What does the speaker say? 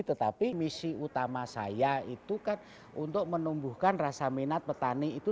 tetapi misi utama saya itu kan untuk menumbuhkan rasa minat petani itu